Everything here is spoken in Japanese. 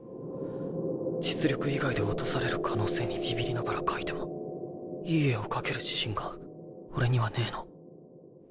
実力以外で落とされる可能性にビビりながら描いてもいい絵を描ける自信が俺にはねぇの。